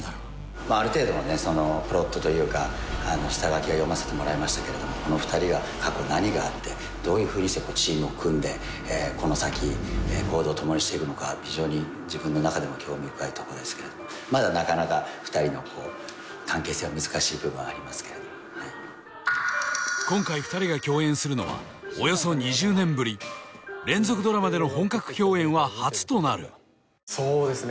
まあある程度のねプロットというか下書きは読ませてもらいましたけれどもこの２人が過去何があってどういうふうにしてチームを組んでこの先行動をともにしていくのか非常に自分の中でも興味深いところですけどもまだなかなか２人の関係性は難しい部分ありますけれども今回２人が共演するのはおよそ２０年ぶり連続ドラマでの本格共演は初となるそうですね